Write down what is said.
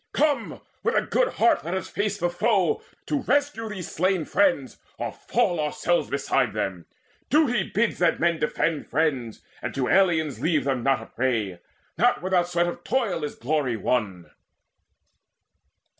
Come, with a good heart let us face the foe To rescue these slain friends, or fall ourselves Beside them. Duty bids that men defend Friends, and to aliens leave them not a prey, Not without sweat of toil is glory won!"